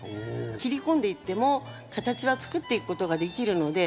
切り込んでいっても形はつくっていくことができるので。